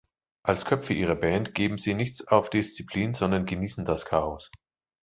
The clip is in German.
Als Köpfe ihrer Band geben sie nichts auf Disziplin, sondern genießen das Chaos.